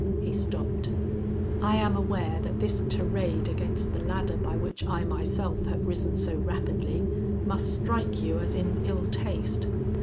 He stopped. "I am aware that this tirade against the ladder by which I myself have risen so rapidly, must strike you as in ill taste.